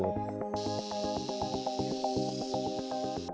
hal serupa juga diamini oleh